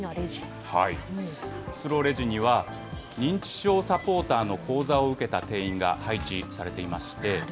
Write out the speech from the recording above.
スローレジには、認知症サポーターの講座を受けた店員が配置されていまして。